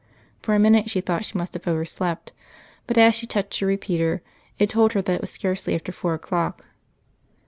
For a minute she thought she must have overslept; but, as she touched her repeater, it told her that it was scarcely after four o'clock.